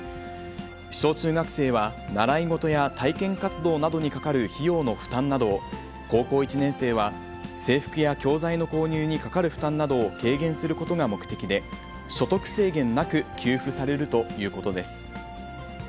小中学生は習い事や体験活動などにかかる費用の負担などを、高校１年生は制服や教材の購入にかかる負担などを軽減することが目的で、所得制限なく給付されるということです。